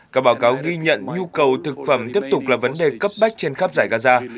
các báo cáo ghi nhận nhu cầu thực phẩm tiếp tục là vấn đề cấp bách trên khắp giải gaza